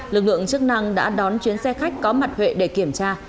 lực lượng chức năng đã đón chuyến xe khách có mặt huệ để kiểm tra